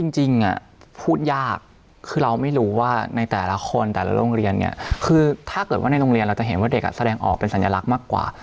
จริงพูดยากคือเราไม่รู้ว่าในแต่ละคนแต่ละโรงเรียนเนี่ยคือถ้าเกิดว่าในโรงเรียนเราจะเห็นว่าเด็กแสดงออกเป็นสัญลักษณ์มากกว่า